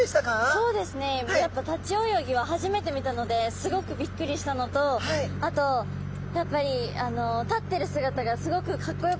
そうですねやっぱ立ち泳ぎは初めて見たのですごくびっくりしたのとあとやっぱり立ってる姿がすごくかっこよかったですね。